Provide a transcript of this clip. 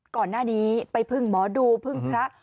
ก่อนหน้านี้ไปพึ่งหมอดูพึ่งพระ